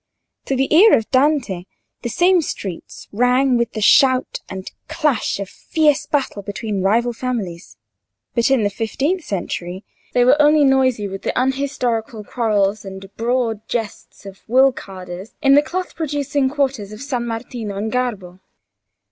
To the ear of Dante, the same streets rang with the shout and clash of fierce battle between rival families; but in the fifteenth century, they were only noisy with the unhistorical quarrels and broad jests of woolcarders in the cloth producing quarters of San Martino and Garbo.